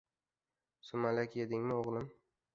— Sumalak yedingmi, o‘g‘lim?